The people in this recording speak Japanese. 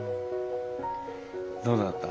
どうだった？